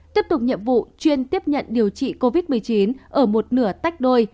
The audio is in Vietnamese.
tiếp tục nhiệm vụ chuyên tiếp nhận điều trị covid một mươi chín ở một nửa tách đôi